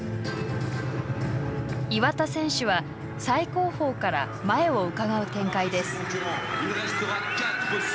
岩田選手は最後方から前をうかがう展開です。